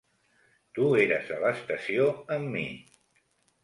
Tu eres a l'estació amb mi.